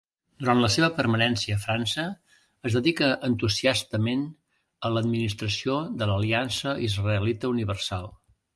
Durant la seva permanència a França es dedica entusiastament a l'administració de l'Aliança Israelita Universal.